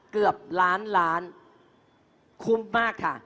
เกือบล้านล้านคุ้มมากค่ะ